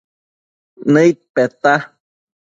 Nëid peta